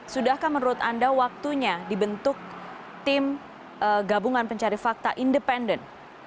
sudahkah menurut anda waktunya dibentuk tim gabungan pencari fakta independen